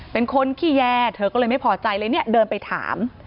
เป็นคนขี้แย่เธอก็เลยไม่พอใจเลยเนี่ยเดินไปถาม